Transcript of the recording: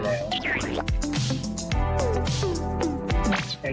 แฟนรอได้เลย